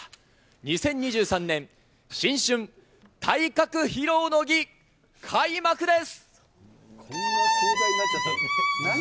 ２０２３年新春体格披露の儀開幕です。